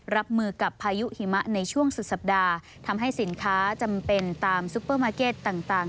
รับมือกับพายุหิมะในช่วงสุดสัปดาห์ทำให้สินค้าจำเป็นตามซุปเปอร์มาร์เก็ตต่าง